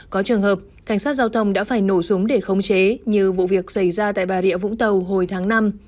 có trường hợp cảnh sát giao thông đã phải nổ súng để khống chế như vụ việc xảy ra tại bà rịa vũng tàu hồi tháng năm